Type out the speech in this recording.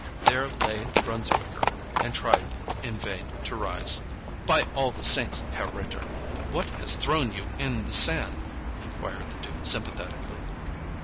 There lay the Brunswicker, and tried in vain to rise. "By all the saints, Herr Ritter, what has thrown you in the sand?" inquired the duke sympathetically.